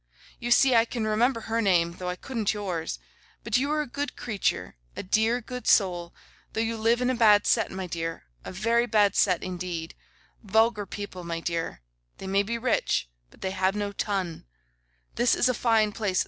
You see I can remember her name, though I couldn't yours. But you are a good creature, a dear good soul, though you live in a bad set, my dear, a very bad set indeed; vulgar people, my dear; they may be rich, but they have no ton. This is a fine place.